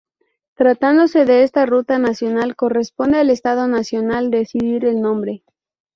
Tratándose de una ruta nacional, corresponde al Estado Nacional decidir el nombre.